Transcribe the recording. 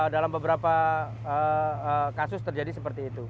dalam beberapa kasus terjadi seperti itu